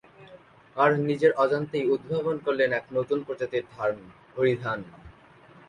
আর নিজের অজান্তেই উদ্ভাবন করলেন এক নতুন প্রজাতির ধান, হরিধান।